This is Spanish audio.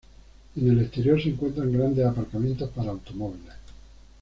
En el exterior se encuentran grandes aparcamientos para automóviles.